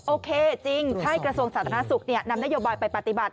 โอเคจริงให้กระทรวงสาธารณสุขนำนโยบายไปปฏิบัติ